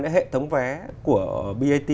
nữa hệ thống vé của brt